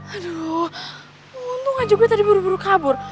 aduh untung aja gue tadi buru buru kabur